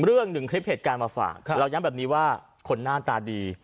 เรื่องหนึ่งคลิปเหตุการณ์มาฝากเราย้ำแบบนี้ว่าคนหน้าตาดี